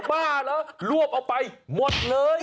บ้าเหรอรวบเอาไปหมดเลย